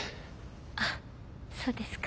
ああそうですか。